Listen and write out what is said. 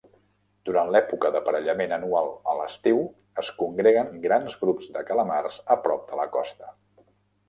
Durant l"època d'aparellament anual a l"estiu, es congreguen grans grups de calamars a prop de la costa.